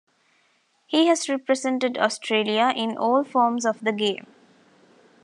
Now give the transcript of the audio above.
He has represented Australia in all forms of the game.